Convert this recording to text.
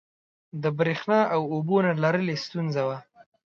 د برېښنا او اوبو نه لرل یې ستونزه وه.